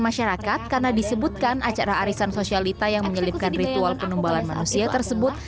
masyarakat karena disebutkan acara arisan sosialita yang menyelipkan ritual penumbalan manusia tersebut